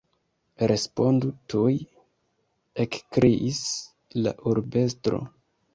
Respondu tuj! ekkriis la urbestro.